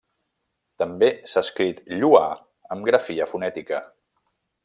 També s'ha escrit Lloà, amb grafia fonètica.